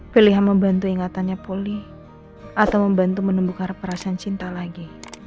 pilihan membantu ingatannya pulih atau membantu menemukan perasaan cinta lagi